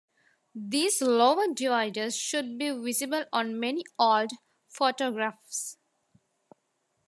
These lower dividers should be visible on many old photographs.